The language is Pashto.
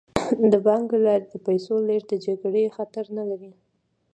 د بانک له لارې د پیسو لیږد د جګړې خطر نه لري.